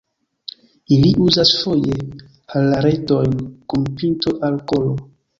Ili uzas foje hararretojn kun pinto al kolo.